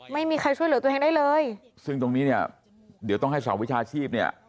ไม่มีใครช่วยเหลือตัวเองได้เลยซึ่งตรงนี้เนี่ยเดี๋ยวต้องให้สาวิชาชีพเนี่ย